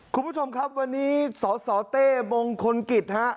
คุณผู้ชมครับวันนี้สสเต้มงคลกิจฮะ